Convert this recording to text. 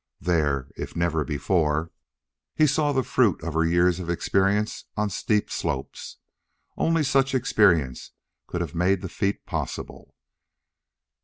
There, if never before, he saw the fruit of her years of experience on steep slopes. Only such experience could have made the feat possible.